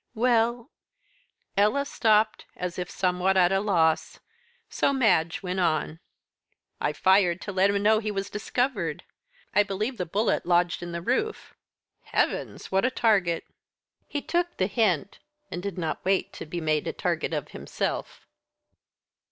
"Well " Ella stopped, as if somewhat at a loss. So Madge went on. "I fired to let him know he was discovered. I believe the bullet lodged in the roof." "Heavens! what a target." "He took the hint, and did not wait to be made a target of himself."